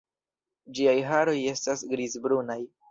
Ĝiaj haroj estas grizbrunaj.